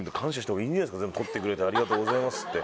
「撮ってくれてありがとうございます」って。